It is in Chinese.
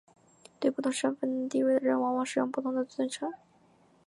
对不同身份地位的人往往使用不同的尊称。